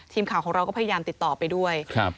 ทีมข่าวของเราก็พยายามติดต่อไปด้วยครับ